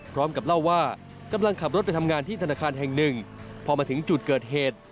พร้อมกับเล่าว่ากำลังขับรถไปทำงานที่ธนาคารแห่งหนึ่งพอมาถึงจุดเกิดเหตุ